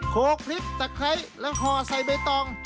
โคพริกตะไคร้แล้วห่อใส่ใบตอง